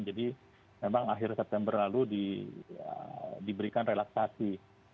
jadi memang akhir september lalu diberikan relaksasi